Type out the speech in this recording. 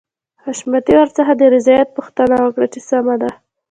حشمتي ورڅخه د رضايت پوښتنه وکړه چې سمه ده.